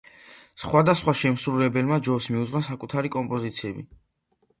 სხვადასხვა შემსრულებელმა ჯოს მიუძღვნა საკუთარი კომპოზიციები.